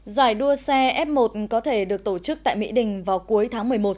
giải đua xe f một có thể được tổ chức tại mỹ đình vào cuối tháng một mươi một